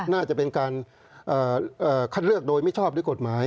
น่าจะเป็นการคัดเลือกโดยไม่ชอบด้วยกฎหมาย